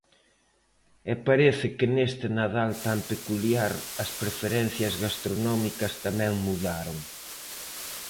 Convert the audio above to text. E parece que neste Nadal tan peculiar, as preferencias gastronómicas tamén mudaron.